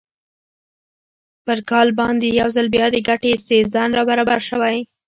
پر کابل باندې یو ځل بیا د ګټې سیزن را برابر شوی.